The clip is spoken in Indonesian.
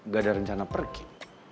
gak ada rencana pergi